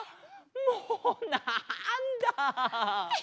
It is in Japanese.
もうなんだ。